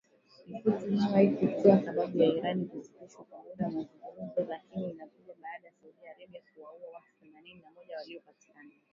Ripoti hiyo haikutoa sababu ya Iran kusitisha kwa muda mazungumzo, lakini inakuja baada ya Saudi Arabia kuwaua watu themanini na moja waliopatikana